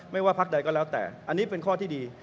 ว่าพักใดก็แล้วแต่อันนี้เป็นข้อที่ดี